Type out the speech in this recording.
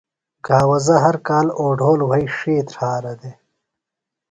گھاوزہ ہر کال اوڈھول وھئی ڇھیتر ہارہ دے۔